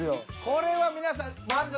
これは皆さん満足。